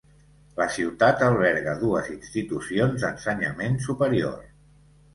La ciutat alberga dues institucions d'ensenyament superior.